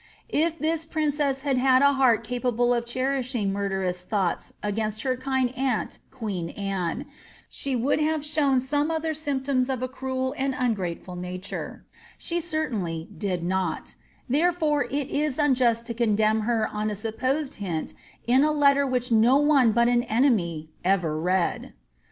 If this princess had had a heart capable of cherishing murderous thoughts against ^ her kind aunt, queen Anne," she would have shown some other symptoms of a cruel and ungrateful nature ; she certainly did not; therefore it is unjust to condemn her on a supposed hint in a letter which no one but an enemy ever read.'